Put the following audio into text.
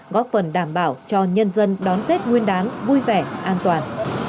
góp phần đảm bảo cho nhân dân đón tết nguyên đán vui vẻ an toàn